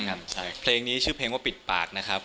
เพลงนี้ชื่อเพลงว่าปิดปากนะครับ